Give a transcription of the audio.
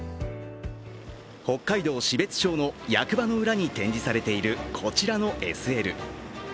北海道標津町の役場の裏に展示されているこちらのＳＬ。